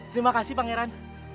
terima kasih pangeran